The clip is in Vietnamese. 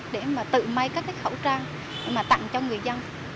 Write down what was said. để mà tự may các cái khẩu trang để mà tặng cho người dân